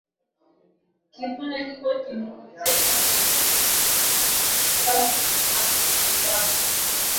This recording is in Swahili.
Kifaa hiko kilimuwezesha mtu aliyekiweka kujua Magreth yuko wapi